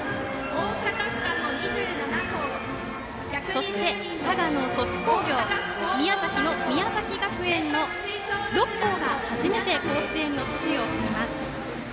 そして、佐賀の鳥栖工業宮崎の宮崎学園の６校が初めて甲子園の土を踏みます。